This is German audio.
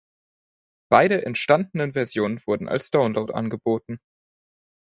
Beide entstandenen Versionen wurden als Download angeboten.